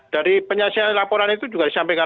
dari penyelesaian laporan itu juga disampaikan